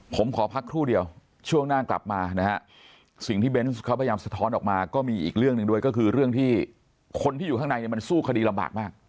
ผมขอพักครู่เดียวช่วงหน้ากลับมานะฮะสิ่งที่เบนส์เขาพยายามสะท้อนออกมาก็มีอีกเรื่องหนึ่งด้วยก็คือเรื่องที่คนที่อยู่ข้างในเนี่ยมันสู้คดีลำบากมาก